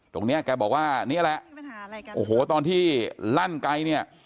ตรงนี้แกบอกว่านี่แหละโอ้โหตอนที่ลั่นไกลเนี่ย